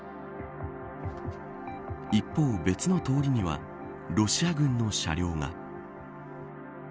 一方、別の通りにはロシア軍の車両が。